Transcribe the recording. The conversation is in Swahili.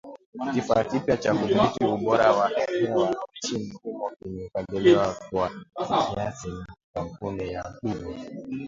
Kifaa kipya cha kudhibiti ubora wa hewa nchini humo kimefadhiliwa kwa kiasi na kampuni ya Gugo